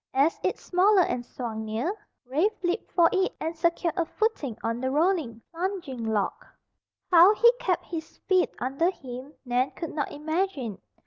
As its smaller end swung near, Rafe leaped for it and secured a footing on the rolling, plunging log. How he kept his feet under him Nan could not imagine.